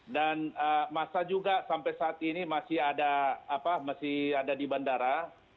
dan masa juga sampai saat ini masih ada di bandara